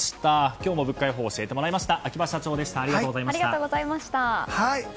今日も物価予報教えてもらいました。